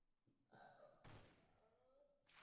齐学裘人。